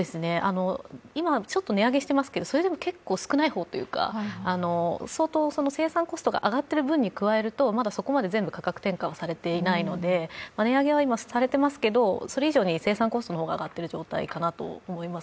今、ちょっと値上げしてますけどそれでも少ない方というか、相当生産コストが上がっている分に加えるとそこまで価格転嫁がされていないので値上げはされていますけれども、それ以上生産コストの方が上がっている状況かなと思います。